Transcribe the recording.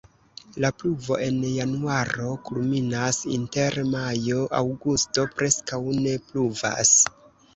La pluvo en januaro kulminas, inter majo-aŭgusto preskaŭ ne pluvas.